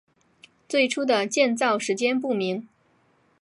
最初的建造时间不明。